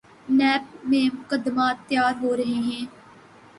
NAB میں مقدمات تیار ہو رہے ہیں۔